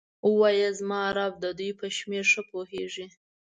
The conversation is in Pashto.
ووایه زما رب د دوی په شمیر ښه پوهیږي.